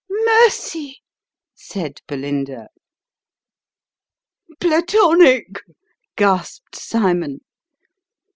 " Mercy !" said Belinda. " Platonic !" gasped Cymon.